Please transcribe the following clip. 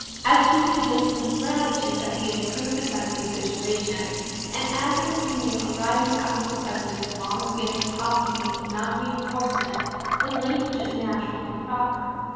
As communicating his gratitude at the improved defensive situation, and as an opinion arising out of the President's long standing policy of non reenf orcement, the language is natural and proper.